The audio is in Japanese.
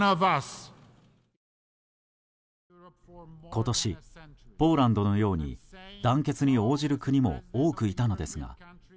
今年、ポーランドのように団結に応じる国も多くいたのですが。